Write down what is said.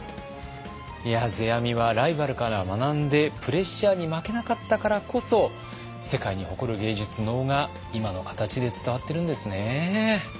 いや世阿弥はライバルから学んでプレッシャーに負けなかったからこそ世界に誇る芸術能が今の形で伝わってるんですね。